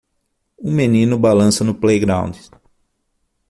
Um menino balança no playground.